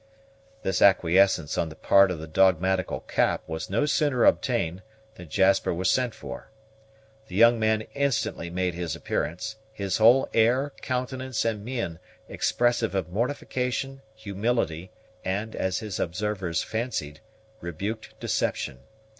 This acquiescence on the part of the dogmatical Cap was no sooner obtained, than Jasper was sent for. The young man instantly made his appearance, his whole air, countenance, and mien expressive of mortification, humility, and, as his observers fancied, rebuked deception.